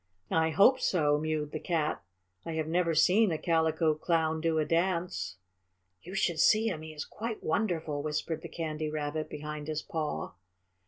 "I hope so," mewed the Cat. "I have never seen a Calico Clown do a dance." "You should see him he is quite wonderful," whispered the Candy Rabbit behind his paw.